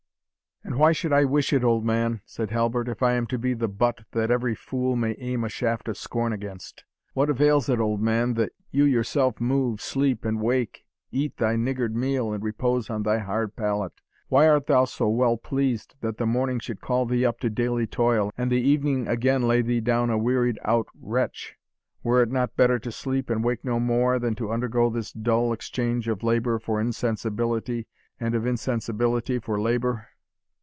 "And why should I wish it, old man," said Halbert, "if I am to be the butt that every fool may aim a shaft of scorn against? What avails it, old man, that you yourself move, sleep, and wake, eat thy niggard meal, and repose on thy hard pallet? Why art thou so well pleased that the morning should call thee up to daily toil, and the evening again lay thee down a wearied out wretch? Were it not better sleep and wake no more, than to undergo this dull exchange of labour for insensibility and of insensibility for labour?"